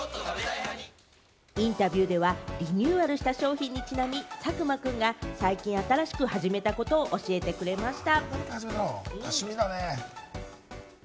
インタビューではリニューアルした商品にちなみ、佐久間君が最近新しく始めたことを教えてくれました。